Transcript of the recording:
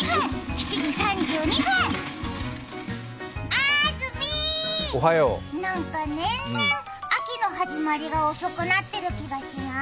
あーずみー、なんか年々、秋の始まりが遅くなってる感じしない？